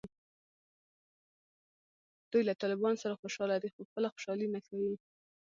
دوی له طالبانو سره خوشحاله دي خو خپله خوشحالي نه ښیي